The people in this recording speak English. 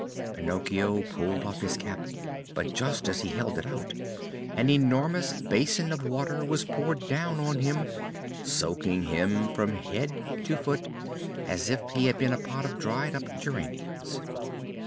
Pinocchio pulled off his cap; but, just as he held it out, an enormous basin of water was poured down on him, soaking him from head to foot as if he had been a pot of dried up geraniums.